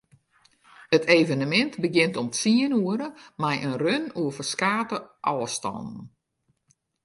It evenemint begjint om tsien oere mei in run oer ferskate ôfstannen.